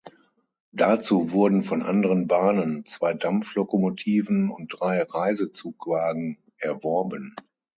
Dazu wurden von anderen Bahnen zwei Dampflokomotiven und drei Reisezugwagen erworben.